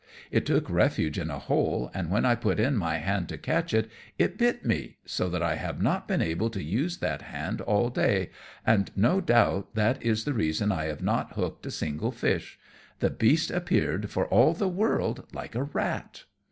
It took refuge in a hole, and when I put in my hand to catch it, it bit me so that I have not been able to use that hand all day, and no doubt that is the reason I have not hooked a single fish. The beast appeared, for all the world, like a rat."